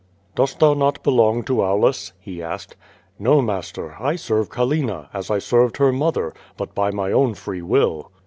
"Dost tliou not belong to Aulus?" he asked. "No, master, I sctvc (*allina, as I served her mother, but by my own free will."